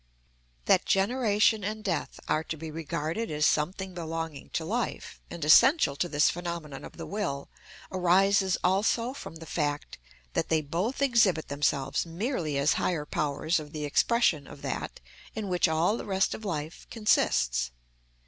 That generation and death are to be regarded as something belonging to life, and essential to this phenomenon of the will, arises also from the fact that they both exhibit themselves merely as higher powers of the expression of that in which all the rest of life consists.